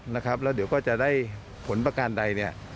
นะครับแล้วเดี๋ยวก็จะได้ผลประการใดเนี่ย